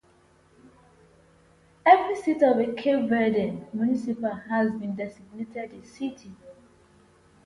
Every seat of a Cape Verdean municipality has been designated a city.